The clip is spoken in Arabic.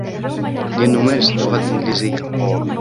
لنمارس اللغة الإنجليزية.